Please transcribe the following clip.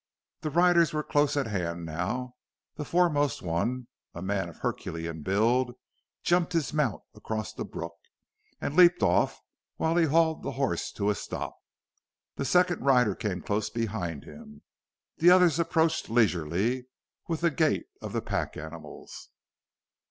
The riders were close at hand now. The foremost one, a man of Herculean build, jumped his mount across the brook, and leaped off while he hauled the horse to a stop. The second rider came close behind him; the others approached leisurely, with the gait of the pack animals.